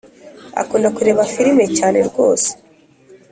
Akunda kureba firime cyane rwose